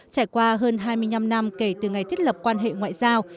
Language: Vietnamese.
trải qua hơn hai mươi năm năm kể từ ngày thiết lập quan hệ ngoại giao